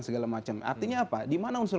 segala macam artinya apa dimana unsur